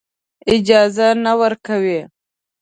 اجازه نه ورکوي.